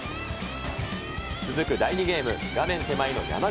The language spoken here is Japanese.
続く第２ゲーム、画面手前が山口。